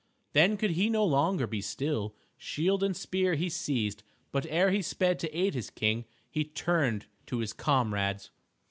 Then could he no longer be still. Shield and spear he seized, but ere he sped to aid his King he turned to his comrades.